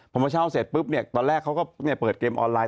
พอมาเช่าเสร็จปุ๊บเนี่ยตอนแรกเขาก็เปิดเกมออนไลน